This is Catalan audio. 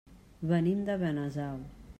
Venim de Benasau.